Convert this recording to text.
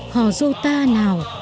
họ dù ta nào